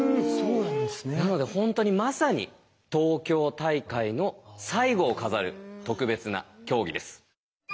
なので本当にまさに東京大会の最後を飾る特別な競技です。